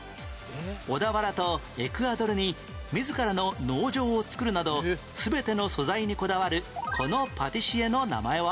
小田原とエクアドルに自らの農場を作るなど全ての素材にこだわるこのパティシエの名前は？